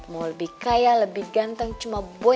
mau lebih kaya lebih ganteng cuma boy